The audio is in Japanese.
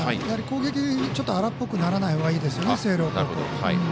やはり攻撃、ちょっと荒っぽくならないほうがいいですね、星稜高校。